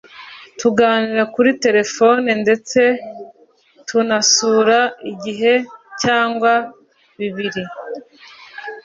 tuganira kuri terefone ndetse tunasura igihe cyangwa bibiri